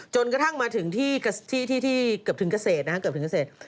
จนกระทั่งมาถึงที่เกือบถึงเกษตรนะ